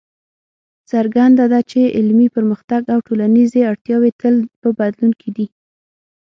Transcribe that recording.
څرګنده ده چې علمي پرمختګ او ټولنیزې اړتیاوې تل په بدلون کې دي.